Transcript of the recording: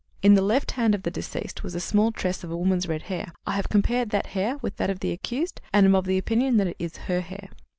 In the left hand of the deceased was a small tress of a woman's red hair. I have compared that hair with that of the accused, and am of opinion that it is her hair."